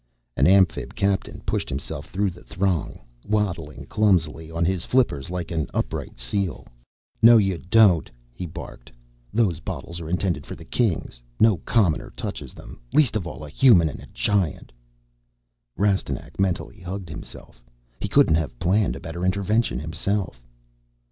An Amphib captain pushed himself through the throng, waddling clumsily on his flippers like an upright seal. "No, you don't!" he barked. "Those bottles are intended for the Kings. No commoner touches them, least of all a Human and a Giant." Rastignac mentally hugged himself. He couldn't have planned a better intervention himself!